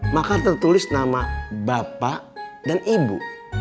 maka tertulis nama bapak dan ibu